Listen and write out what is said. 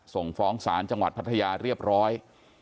ส่งฟ้องศาลจังหวัดพัทยาเรียบร้อย